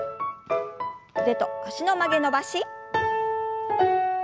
腕と脚の曲げ伸ばし。